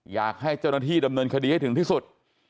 อยากให้เจ้าหน้าที่ดำเนินคดีให้ถึงที่สุด